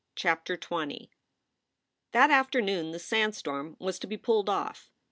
CHAPTER XX ""pHAT afternoon the sandstorm was to be "pulled off."